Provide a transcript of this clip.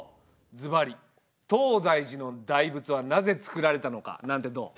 ズバリ「東大寺の大仏はなぜ造られたのか？」なんてどう？